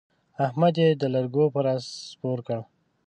احمد يې د لرګو پر اس سپور کړ.